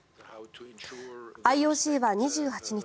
ＩＯＣは２８日